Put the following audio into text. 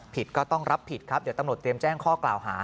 ก็ต้องรับผิดครับเดี๋ยวตำรวจเตรียมแจ้งข้อกล่าวหา